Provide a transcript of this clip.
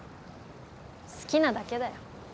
好きなだけだよ。